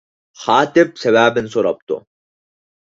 خاتىپ سەۋەبىنى سوراپتۇ.